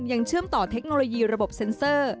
เชื่อมต่อเทคโนโลยีระบบเซ็นเซอร์